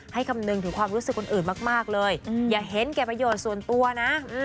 คำนึงถึงความรู้สึกคนอื่นมากเลยอย่าเห็นแก่ประโยชน์ส่วนตัวนะ